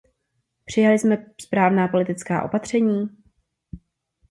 Přijali jsme správná politická opatření?